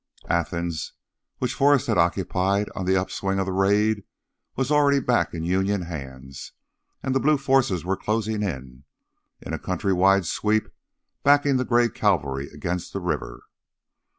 Athens, which Forrest had occupied on the upswing of the raid, was already back in Union hands, and the blue forces were closing in, in a countrywide sweep, backing the gray cavalry against the river.